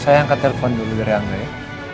saya angkat telepon dulu rian ya